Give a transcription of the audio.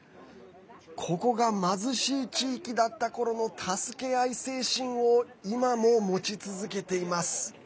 ここが貧しい地域だったころの助け合い精神を今も持ち続けています。